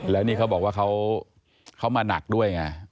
แล้วนี่เขาบอกว่าเขามาหนักด้วยไง